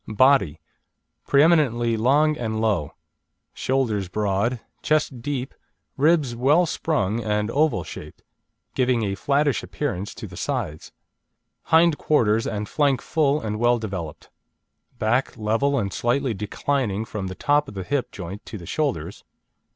BODY Pre eminently long and low. Shoulders broad, chest deep, ribs well sprung and oval shaped, giving a flattish appearance to the sides. Hind quarters and flank full and well developed. Back level and slightly declining from the top of the hip joint to the shoulders.